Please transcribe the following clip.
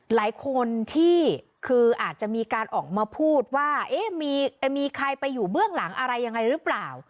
หลายคนที่คืออาจจะมีการออกมาพูดว่ามีใครไปอยู่เบื้องหลังอะไรยังไงหรือเปล่า